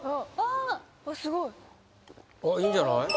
すごいあっいいんじゃない？